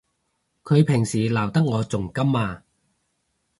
佢平時鬧得我仲甘啊！